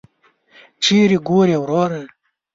چیري ګورې وروره !